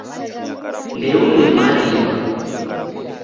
Ndeune mariwa